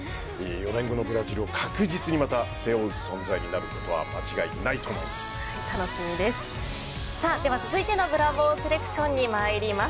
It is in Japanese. ４年後のブラジルを確実にまた背負う存在になることは間違いないと思います。